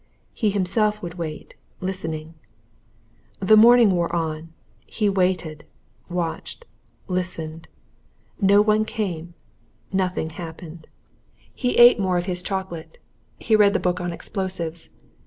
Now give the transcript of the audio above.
He himself would wait listening. The morning wore on he waited, watched, listened. None came nothing had happened. He ate more of his chocolate. He read the book on explosives.